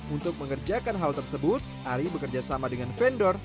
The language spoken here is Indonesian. untuk mengerjakan hal tersebut ari bekerja sama dengan vendor